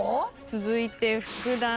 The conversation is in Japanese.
続いて福田さん